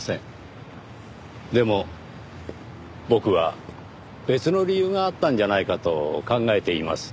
でも僕は別の理由があったんじゃないかと考えています。